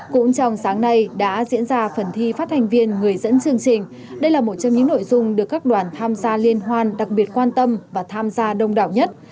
cũng trong sáng nay đã diễn ra phần thi phát hành viên người dẫn chương trình đây là một trong những nội dung được các đoàn tham gia liên hoan đặc biệt quan tâm và tham gia đông đảo nhất